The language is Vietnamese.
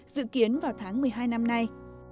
dự kiến vào tháng một mươi hai năm nay